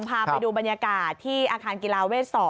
พาไปดูบรรยากาศที่อาคารกีฬาเวท๒